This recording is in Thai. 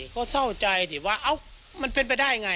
ก็เศร้าใจสิว่ามันเป็นไปได้ไง